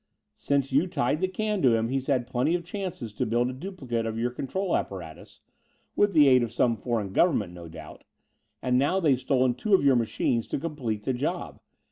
Since you tied the can to him he's had plenty of chances to build a duplicate of your control apparatus with the aid of some foreign government, no doubt and now they've stolen two of your machines to complete the job.